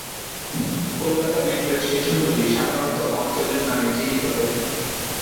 কলকাতা মেট্রোর স্টেশনগুলি সাধারণত অঞ্চলের নামে চিহ্নিত হয়ে থাকে।